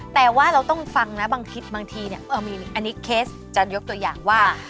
แต่ว่าเราต้องฟังนะบางทีเนี่ยอันนี้เคสจันยกตัวอย่างว่า